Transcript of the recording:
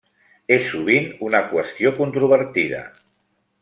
És sovint una qüestió controvertida.